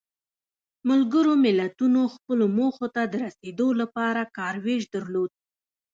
ملګرو ملتونو خپلو موخو ته د رسیدو لپاره کار ویش درلود.